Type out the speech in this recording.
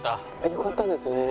よかったですね。